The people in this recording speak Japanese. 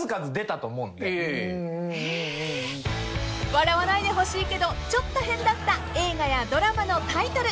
［笑わないでほしいけどちょっと変だった映画やドラマのタイトル］